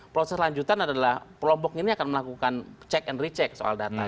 proses lanjutan adalah kelompok ini akan melakukan cek and recheck soal data